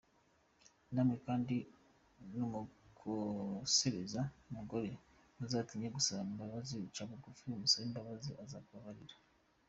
Nawe kandi numukosereza, mugore ntuzatinye gusaba imbabazi, ca bugufi umusabe imbabazi azakubabarira.